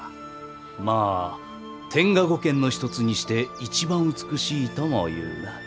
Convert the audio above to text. まあ天下五剣の一つにして一番美しいともいうな。